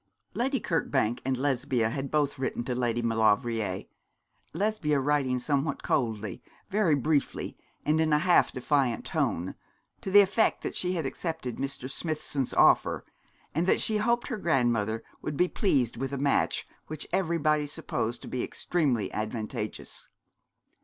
Lady Kirkbank and Lesbia had both written to Lady Maulevrier, Lesbia writing somewhat coldly, very briefly, and in a half defiant tone, to the effect that she had accepted Mr. Smithson's offer, and that she hoped her grandmother would be pleased with a match which everybody supposed to be extremely advantageous.